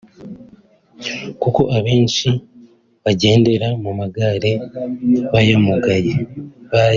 kuko abenshi bagendera mu magare y’abamugaye